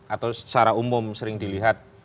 atau secara umum sering dilihat